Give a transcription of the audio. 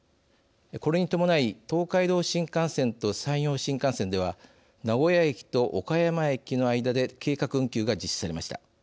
これに伴い東海道新幹線と山陽新幹線では名古屋駅と岡山駅の間で計画運休が実施されました。